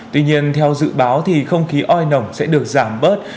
tuy nhiên theo dự báo thì không khí oi nồng sẽ được giảm bớt